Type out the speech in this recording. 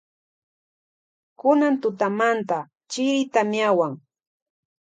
Kunan tutamanta chiri tamiawan.